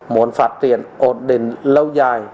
muốn phát triển ổn định lâu dài